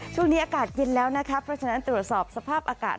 ช่วงนี้อากาศเย็นแล้วนะคะเพราะฉะนั้นตรวจสอบสภาพอากาศ